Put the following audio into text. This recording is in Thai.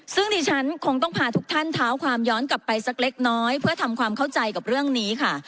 ซึ่งดิฉันคงต้องพาทุกท่านเท้าความย้อนกลับไปสักเล็กน้อยเพื่อทำความเข้าใจกับเรื่องนี้ค่ะ